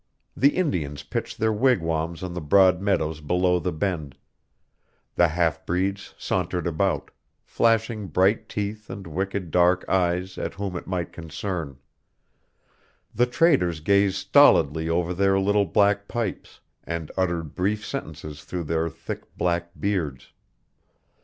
The Indians pitched their wigwams on the broad meadows below the bend; the half breeds sauntered about, flashing bright teeth and wicked dark eyes at whom it might concern; the traders gazed stolidily over their little black pipes, and uttered brief sentences through their thick black beards.